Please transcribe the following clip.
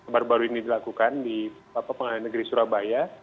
baru baru ini dilakukan di pengadilan negeri surabaya